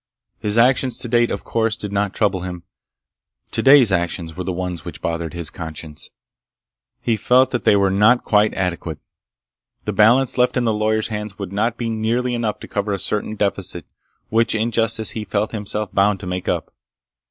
His actions to date, of course, did not trouble him. Today's actions were the ones which bothered his conscience. He felt that they were not quite adequate. The balance left in the lawyer's hands would not be nearly enough to cover a certain deficit which in justice he felt himself bound to make up.